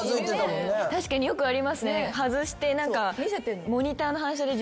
確かによくありますね外して。